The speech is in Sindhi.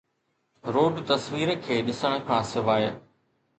روڊ تصوير کي ڏسڻ کان سواء ناهي